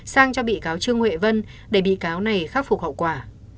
sang cho bị cáo trương huệ vân để bị cáo này khắc phục hậu quả